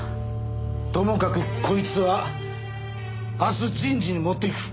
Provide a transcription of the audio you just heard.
ともかくこいつは明日人事に持っていく。